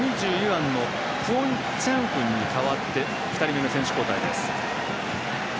２２番のクォン・チャンフンに代わって２人目の選手交代です。